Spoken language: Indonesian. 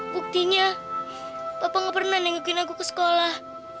buktinya papa gak pernah ninggalkan aku ke sekolah